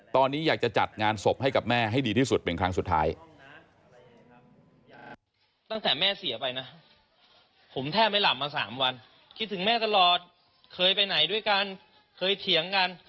ตอนนี้อยากจะจัดงานศพให้กับแม่ให้ดีที่สุดเป็นครั้งสุดท้าย